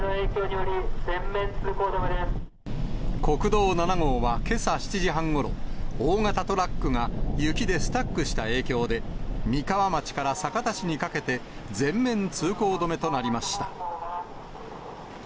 国道７号は、けさ７時半ごろ、大型トラックが雪でスタックした影響で、三川町から酒田市にかけて、全面通行止めとなりました。